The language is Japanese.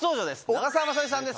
長澤まさみさんです